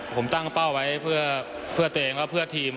ผมตั้งเป้าไว้เพื่อตัวเองก็เพื่อทีม